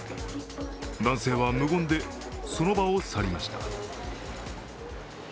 男性は無言でその場を去りました。